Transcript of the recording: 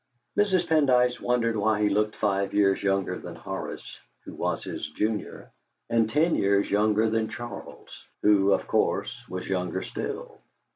Mrs. Pendyce wondered why he looked five years younger than Horace, who was his junior, and ten years younger than Charles, who, of course, was younger still.